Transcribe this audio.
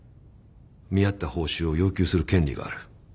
見合った報酬を要求する権利がある。